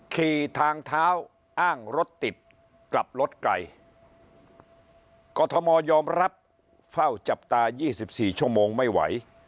ขี่ทางเท้าอ้างรถติดกลับรถไกลกรทมยอมรับเฝ้าจับตาย๒๔ชั่วโมงไม่ไหว